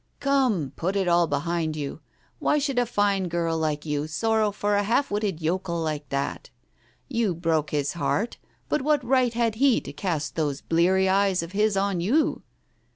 "Come, put it all behind you. Why should a fine girl like you sorrow for a half witted yokel like that? You broke his heart, but what right had he to cast those bleary eyes of his on you?